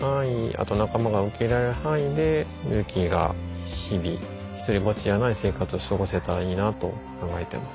あと仲間が受け入れられる範囲でミルキーが日々独りぼっちじゃない生活を過ごせたらいいなと考えてます。